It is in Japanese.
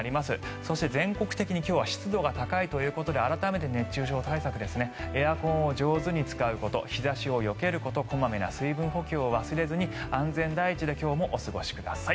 そして全国的に今日は湿度が高いということで改めて熱中症対策エアコンを上手に使うこと日差しをよけること小まめな水分補給を忘れずに安全第一で今日もお過ごしください。